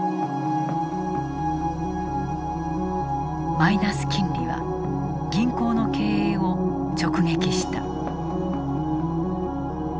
マイナス金利は銀行の経営を直撃した。